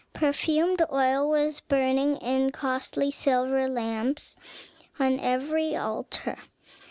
Perfumed oil was burning in costly silver lamps on every altar.